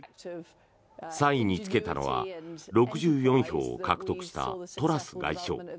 ３位につけたのは６４票を獲得したトラス外相。